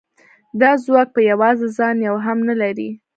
دا ځواک په یوازې ځان یو هم نه لري